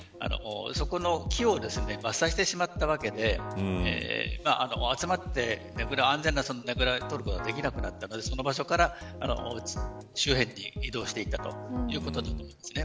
そこの木を伐採してしまったわけで集まって安全なねぐらをとることができなくなったのでその場所から周辺に移動していったということになりますね。